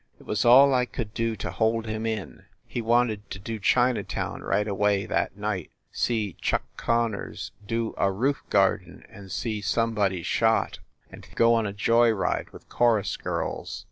It was all I could do to hold him in; he wanted to do Chinatown right away that night, see Chuck Connors, do a roof garden and see somebody shot and go on a joy ride with chorus girls.